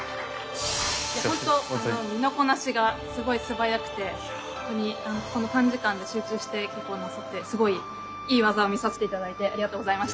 いやほんと身のこなしがすごい素早くて本当にこの短時間で集中して稽古なさってすごいいい技を見させて頂いてありがとうございました。